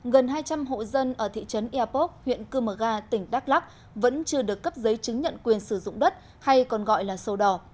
gần hai trăm linh hộ dân ở thị trấn eapok huyện cư mờ ga tỉnh đắk lắc vẫn chưa được cấp giấy chứng nhận quyền sử dụng đất hay còn gọi là sâu đỏ